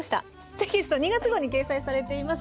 テキスト２月号に掲載されています。